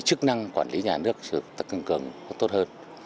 chức năng quản lý nhà nước tăng cường tốt hơn